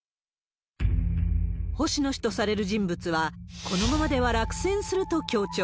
星野氏とされる人物は、このままでは落選すると強調。